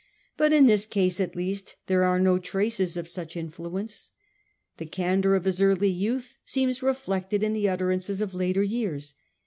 But in this case at least there are no traces of such influence. The candour of his early youth seems reflected in the utterances of later years.